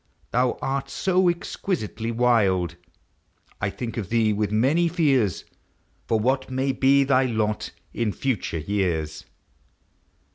Thou art so exquisitely wild, 1 think of thee with many fears For what may be thy lot in future years.